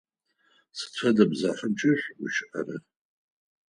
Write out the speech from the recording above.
Сыд фэдэ бзэхэмкӏэ шъугущыӏэра?